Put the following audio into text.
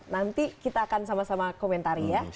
nanti kita akan sama sama komentari ya